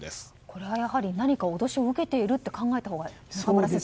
これは何か脅しを受けていると考えたほうがいいですか？